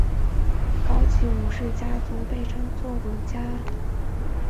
民众偶尔将高级武士家族称作武家。